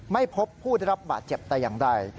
ไม่พบผู้ได้รับบาดเจ็บแต่อย่างใด